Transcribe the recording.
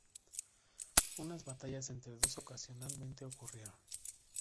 Unas batallas entre dos ocasionalmente ocurrieron.